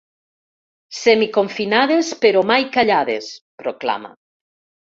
“Semiconfinades, però mai callades”, proclama.